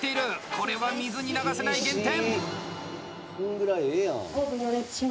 これは水に流せない減点！